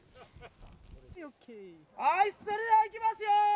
はいそれではいきますよー！